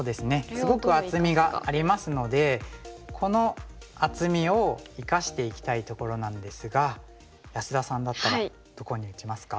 すごく厚みがありますのでこの厚みを生かしていきたいところなんですが安田さんだったらどこに打ちますか？